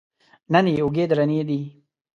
نن یې اوږې درنې دي.